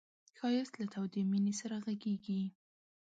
ښایست له تودې مینې سره غږېږي